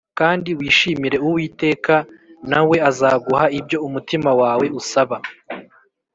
kandi wishimire uwiteka, na we azaguha ibyo umutima wawe usaba.